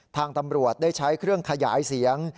ทางตำรวจได้ใช้เครื่องขยายเสียง